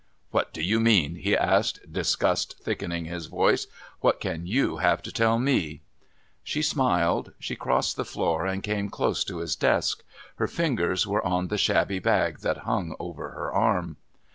"What do you mean?" he asked, disgust thickening his voice. "What can you have to tell me?" She smiled. She crossed the floor and came close to his desk. Her fingers were on the shabby bag that hung over her arm.